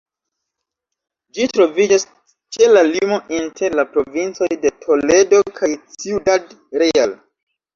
Ĝi troviĝas ĉe la limo inter la provincoj de Toledo kaj Ciudad Real.